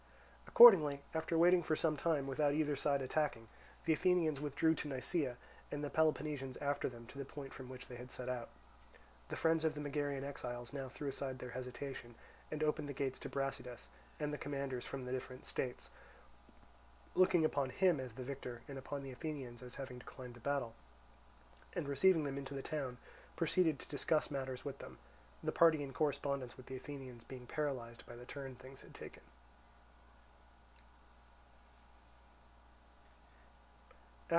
Accordingly, after waiting for some time without either side attacking, the Athenians withdrew to Nisaea, and the Peloponnesians after them to the point from which they had set out. The friends of the Megarian exiles now threw aside their hesitation, and opened the gates to Brasidas and the commanders from the different states—looking upon him as the victor and upon the Athenians as having declined the battle—and receiving them into the town proceeded to discuss matters with them; the party in correspondence with the Athenians being paralysed by the turn things had taken.